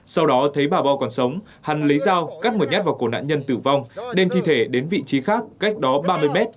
sau đó thấy bà bo còn sống hắn lấy dao cắt một nhát vào cổ nạn nhân tử vong đem thi thể đến vị trí khác cách đó ba mươi mét